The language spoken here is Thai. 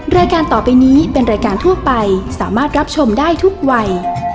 รายการต่อไปนี้เป็นรายการทั่วไปสามารถรับชมได้ทุกวัย